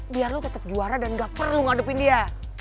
biar lo tetap juara dan gak perlu ngadepin dia